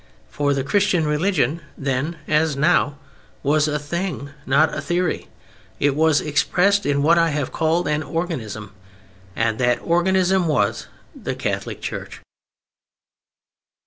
For the Christian religion (then as now) was a thing, not a theory. It was expressed in what I have called an organism, and that organism was the Catholic Church.